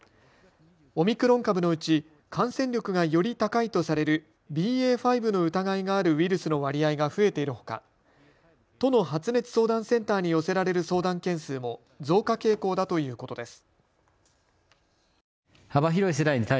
オミクロン株のうち感染力がより高いとされるＢＡ．５の疑いがあるウイルスの割合が増えているほか、都の発熱相談センターに寄せられる相談件数も増加傾向だということです。